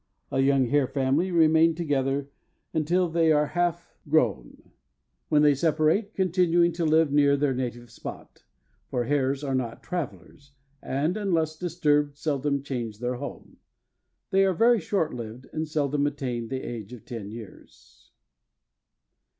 A young hare family remain together until they are half grown, when they separate, continuing to live near their native spot, for hares are not travellers, and, unless disturbed, seldom change their home. They are very short lived, and seldom attain the age of ten years.